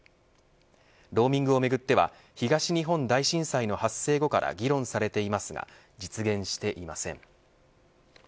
ローミングをめぐっては東日本大震災の発生後から議論されていますが実現していません。